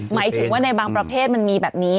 หมายถึงว่าในบางประเภทมันมีแบบนี้